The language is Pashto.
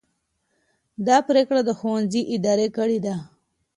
دا پرېکړه د ښوونځي ادارې کړې ده.